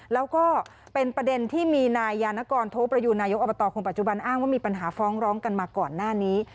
แล้วก็เป็นประเด็นที่มีนายยานกรโทประยูนนายกอบตคนปัจจุบันอ้างว่ามีปัญหาฟ้องร้องกันมาก่อนหน้านี้